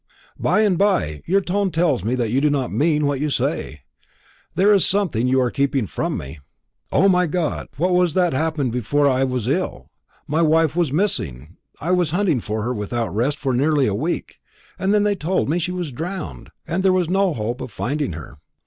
"By and by! Your tone tells me that you do not mean what you say. There is something you are keeping from me. O, my God, what was that happened before I was ill? My wife was missing. I was hunting for her without rest for nearly a week; and then they told me she was drowned, that there was no hope of finding her.